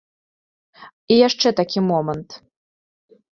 І яшчэ такі момант.